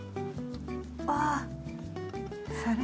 ああ！